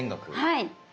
はい。